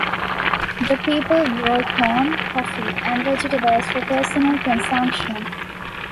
The people grow corn, coffee and vegetables for personal consumption.